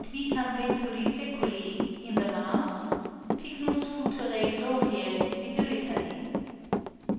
} (9) vitam venturi sæculi" in the Mass, "Pignus futuræ gloriæ" in the Litany.